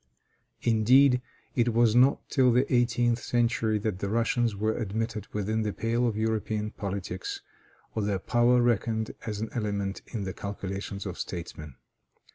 Indeed, it was not till the eighteenth century that the Russians were admitted within the pale of European politics, or their power reckoned as an element in the calculations of statesmen.